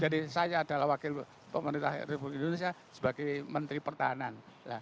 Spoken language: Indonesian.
saya adalah wakil pemerintah republik indonesia sebagai menteri pertahanan